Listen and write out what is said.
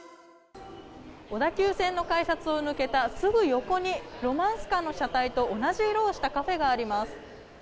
小田急線の改札を抜けたすぐ横に、ロマンスカーの車体と同じ色をしたカフェがあります。